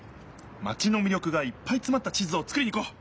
マチのみりょくがいっぱいつまった地図をつくりに行こう！